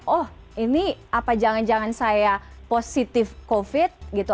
oh ini apa jangan jangan saya positif covid gitu